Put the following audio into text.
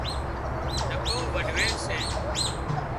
نڪو وڍويڙ سي